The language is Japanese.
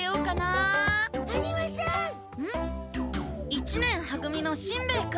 一年は組のしんべヱ君。